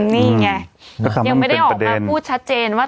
นี่ไงยังไม่ได้ออกมาพูดชัดเจนว่า